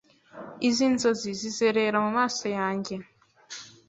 Izi nzozi zizerera mumaso yange